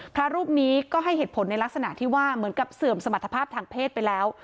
พระรูปนี้ก็ให้เหตุผลในลักษณะที่ว่าเหมือนกับเสื่อมสมรรถภาพทางเพศไปแล้ว